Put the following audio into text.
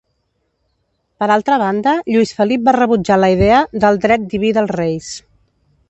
Per altra banda, Lluís Felip va rebutjar la idea del dret diví dels reis.